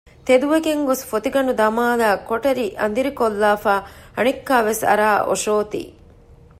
ތެދުވެގެން ގޮސް ފޮތިގަނޑު ދަމާލައި ކޮޓަރި އަނދިރިކޮށްލާފައި އައިސް އަނެއްކާވެސް އަރާ އޮށޯތީ